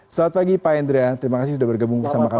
selamat pagi pak hendra terima kasih sudah bergabung bersama kami